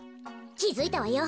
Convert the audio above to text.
きづいたわよ。